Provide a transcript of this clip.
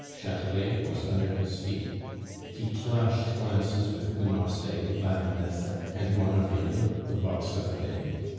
Chatelet was under his feet. He clashed glances with de Marsay, Vandenesse, and Manerville, the bucks of that day.